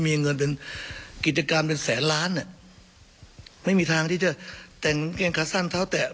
มีเงินเป็นกิจกรรมเป็นแสนล้านอ่ะไม่มีทางที่จะแต่งเกงขาสั้นเท้าแตะ